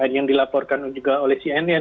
yang dilaporkan juga oleh cnn